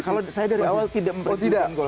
kalau saya dari awal tidak memprediksi hujan goal